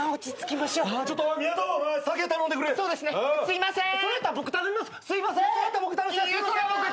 すいません。